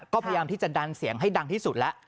ก็พยายามที่จะดันเสียงให้ดังที่สุดแล้ว